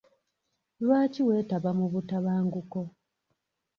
Lwaki weetaba mu butabanguko?